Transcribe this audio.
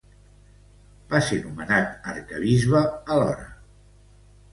Va ser nomenat arquebisbe alhora.